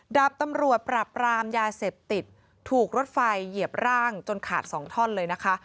ดาบตำรวจปรับรามยาเสพติดถูกรถไฟเหยียบร่างจนขาดสองท่อนเลยนะคะ